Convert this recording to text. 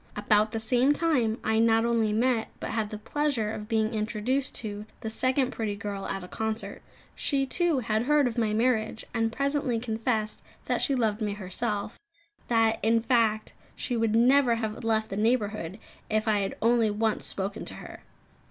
About the same time, I not only met, but had the pleasure of being introduced to, the second pretty girl at a concert. She, too, had heard of my marriage; and presently confessed that she loved me herself; that, in fact, she would never have left the neighbourhood if I had only once spoken to her.